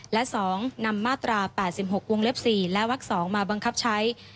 และ๒นำมาตรา๘๖วงเล็บ๔และวัก๒มาบังคับใช้